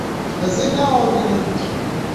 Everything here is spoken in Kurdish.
Ez ê neavînim.